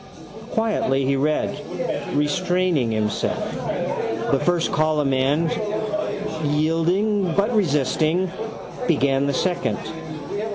Quietly he read, restraining himself, the first column and, yielding but resisting, began the second.